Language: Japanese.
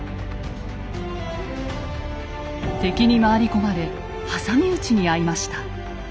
敵に回り込まれ挟み撃ちに遭いました。